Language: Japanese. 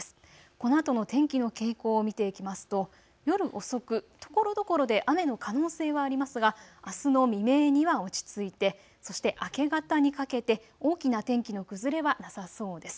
このあとの天気の傾向を見ていきますと夜遅くところどころで雨の可能性はありますが、あすの未明には落ち着いて、そして明け方にかけて大きな天気の崩れはなさそうです。